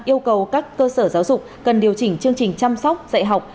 yêu cầu các cơ sở giáo dục cần điều chỉnh chương trình chăm sóc dạy học